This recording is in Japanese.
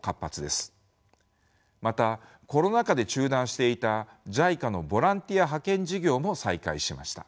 またコロナ禍で中断していたＪＩＣＡのボランティア派遣事業も再開しました。